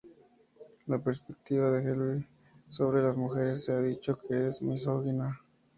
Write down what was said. La perspectiva de Hegel sobre las mujeres se ha dicho que es misógina.